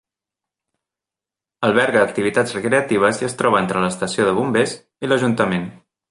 Alberga activitats recreatives i es troba entre l'estació de bombers i l'ajuntament.